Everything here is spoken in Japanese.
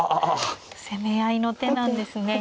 攻め合いの手なんですね。